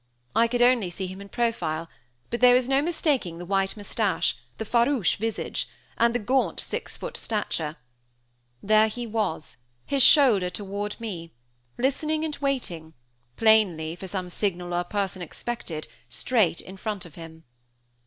I could only see him in profile; but there was no mistaking the white moustache, the farouche visage, and the gaunt six foot stature. There he was, his shoulder toward me, listening and watching, plainly, for some signal or person expected, straight in front of him.